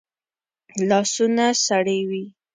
لاسونه سړې وي